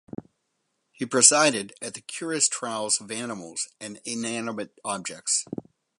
He presided at the curious trials of animals and inanimate objects.